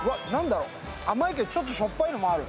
甘いけどちょっとしょっぱいのもある。